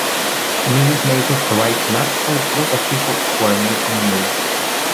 "Newsmaker" provides an up-close look at people who are making news.